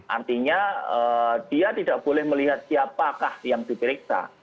artinya dia tidak boleh melihat siapakah yang diperiksa